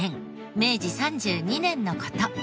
明治３２年の事。